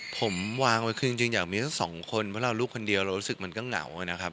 ผมวางไว้คือจริงอยากมีสักสองคนเพราะเราลูกคนเดียวเรารู้สึกมันก็เหงานะครับ